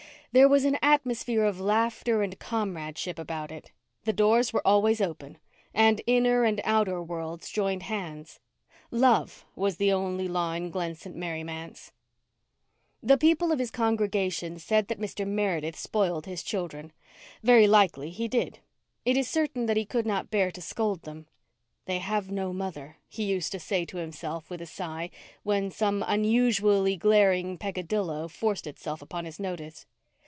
There was an atmosphere of laughter and comradeship about it; the doors were always open; and inner and outer worlds joined hands. Love was the only law in Glen St. Mary manse. The people of his congregation said that Mr. Meredith spoiled his children. Very likely he did. It is certain that he could not bear to scold them. "They have no mother," he used to say to himself, with a sigh, when some unusually glaring peccadillo forced itself upon his notice.